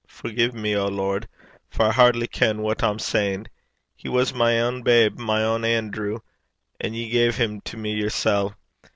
Forgie me, O Lord! for I hardly ken what I'm sayin'. He was my ain babe, my ain Anerew, and ye gae him to me yersel'.